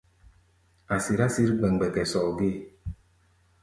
A̧ sirá sǐr gbɛmgbɛkɛ sɔɔ gée.